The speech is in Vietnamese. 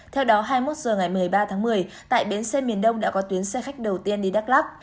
theo đó hai mươi một h ngày một mươi ba tháng một mươi tại bến xe miền đông đã có tuyến xe khách đầu tiên đi đắk lắc